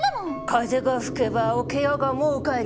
「風が吹けば桶屋が儲かる」。